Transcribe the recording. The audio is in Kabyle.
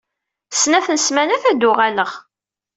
Snat n ssmanat ad d-uɣaleɣ.